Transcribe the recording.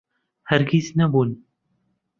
هەرگیز نەبوون.